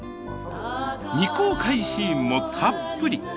未公開シーンもたっぷり！